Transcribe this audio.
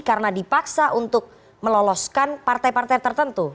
karena dipaksa untuk meloloskan partai partai tertentu